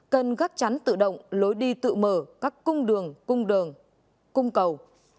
cần gắt chắn tự động lối đi tự mở các cung đường cung đường cung cầu